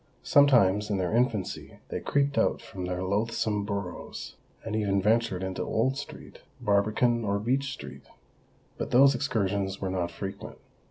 Sometimes in their infancy they creeped out from their loathsome burrows, and even ventured into Old Street, Barbican, or Beech Street. But those excursions were not frequent.